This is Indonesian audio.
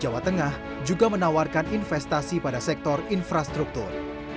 jawa tengah juga menawarkan investasi pada sektor infrastruktur